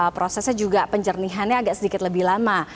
prosesnya juga penjernihannya agak sedikit lebih lama